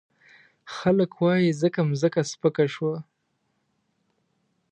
خلګ وايي ځکه مځکه سپکه شوه.